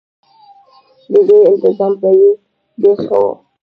د ډوډۍ انتظام به یې ډېر ښه و.